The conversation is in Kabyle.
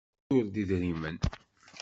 Tessuter-d idrimen.